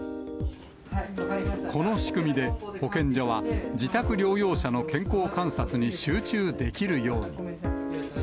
この仕組みで、保健所は自宅療養者の健康観察に集中できるように。